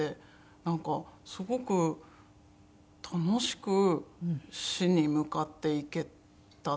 なんかすごく楽しく死に向かっていけたっていうか。